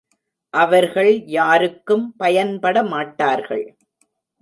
அவர்கள் யாருக்கும் பயன்பட மாட்டார்கள்.